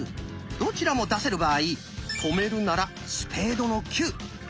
どちらも出せる場合止めるなら「スペードの９」。